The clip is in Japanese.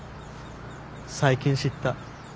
最近知った。